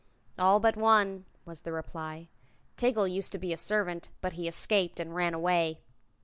"All but one," was the reply. "Tiggle used to be a servant, but he escaped and ran away."